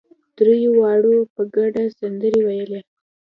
درېواړو په ګډه سندرې وويلې.